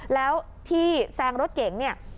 แล้วที่แซงรถเก๋งเนี่ย